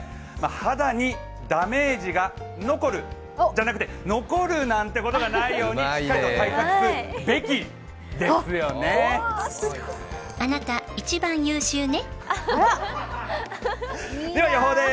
肌にダメージがノコルじゃなくて残るなんでことがないようにしっかりと対策す、「あなた一番優秀ね」